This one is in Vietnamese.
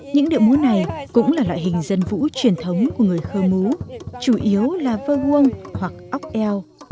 những điệu múa này cũng là loại hình dân vũ truyền thống của người khơ mú chủ yếu là vơ huông hoặc óc eo